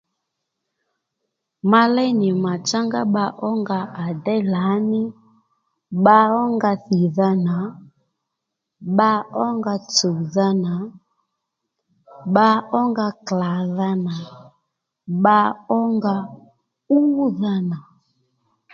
Ma léy nì màtsá ngá bba ónga à déy lǎní bba ónga thìdha nà bba ónga tsùwdha nà bba ónga klàdha nà bba ónga údha nà